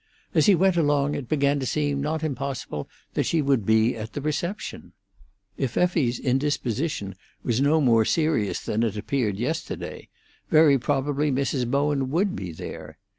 As he went along it began to seem not impossible that she would be at the reception. If Effie's indisposition was no more serious than it appeared yesterday, very probably Mrs. Bowen would be there.